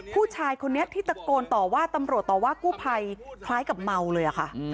ผู้ชายคนนี้ที่ตะโกนต่อว่าตำรวจต่อว่ากู้ภัยคล้ายกับเมาเลยค่ะ